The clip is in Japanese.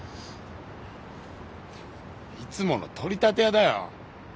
いつもの取り立て屋だよ！